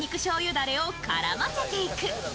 だれを絡ませていく。